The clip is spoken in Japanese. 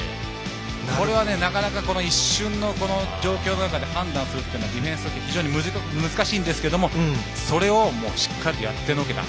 これはなかなか一瞬の状況で判断するのはディフェンスにとって難しいんですけどそれをしっかりとやってのけた。